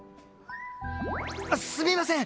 すみません！